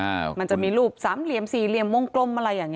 แล้วถ้าคุณชุวิตไม่ออกมาเป็นเรื่องกลุ่มมาเฟียร์จีน